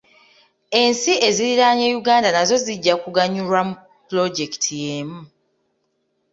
Ensi eziriraanye Uganda nazo zijja kuganyulwa mu pulojekiti y'emu.